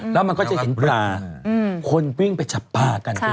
แล้วมันก็จะเห็นปลาคนวิ่งไปจับปลากัน